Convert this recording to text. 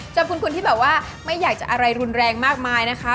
ขอบคุณคุณที่แบบว่าไม่อยากจะอะไรรุนแรงมากมายนะคะ